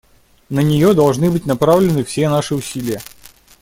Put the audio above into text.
На нее должны быть направлены все наши усилия.